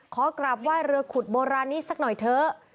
ขอกราบไหว้เรือขุดโบราณนี้สักหน่อยเถอะ